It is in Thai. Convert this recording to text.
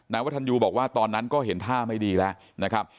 วัฒนยูบอกว่าตอนนั้นก็เห็นท่าไม่ดีแล้วนะครับ